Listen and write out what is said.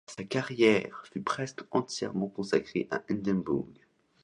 Sa carrière fut presque entièrement consacrée à Édimbourg.